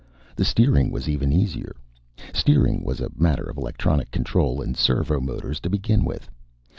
The steering was even easier. Steering was a matter of electronic control and servomotors to begin with.